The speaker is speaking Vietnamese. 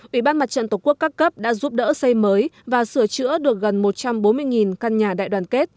ủy ban mặt trận tổ quốc các cấp đã giúp đỡ xây mới và sửa chữa được gần một trăm bốn mươi căn nhà đại đoàn kết